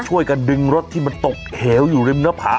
ช่วยกันดึงรถที่มันตกเหวอยู่ริมหน้าผา